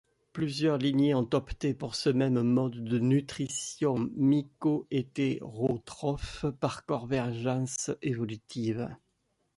Plusieurs lignées ont opté pour ce même mode de nutrition mycohétérotrophe, par convergence évolutive.